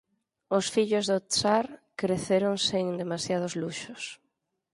Os fillos do tsar creceron sen demasiados luxos.